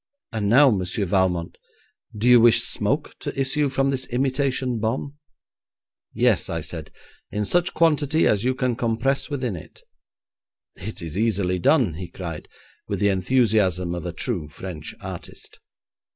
'And now, Monsieur Valmont, do you wish smoke to issue from this imitation bomb?' 'Yes,' I said, 'in such quantity as you can compress within it.' 'It is easily done,' he cried, with the enthusiasm of a true French artist.